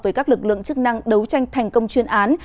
với các lực lượng chức năng đấu tranh thành công chuyên án